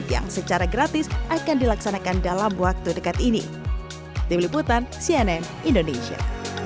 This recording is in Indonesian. yang secara gratis akan dilaksanakan dalam waktu dekat ini tim liputan cnn indonesia